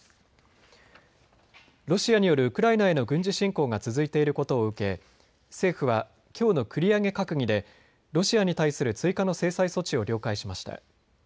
ロシアによるウクライナへの軍事侵攻が続いていることを受け政府はきょうの繰り上げ閣議でロシアに対する追加の制裁措置を了解しました。